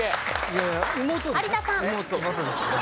有田さん。